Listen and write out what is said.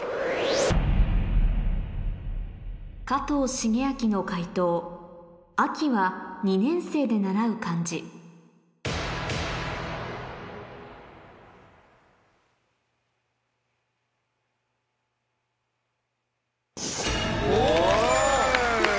加藤シゲアキの解答「秋は２年生で習う漢字」お！